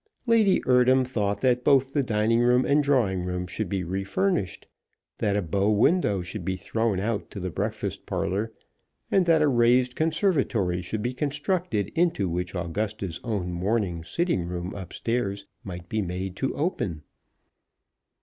Lady Eardham thought that both the dining room and drawing room should be re furnished, that a bow window should be thrown out to the breakfast parlour, and that a raised conservatory should be constructed into which Augusta's own morning sitting room up stairs might be made to open.